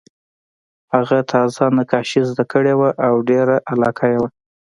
هغه تازه نقاشي زده کړې وه او ډېره علاقه یې وه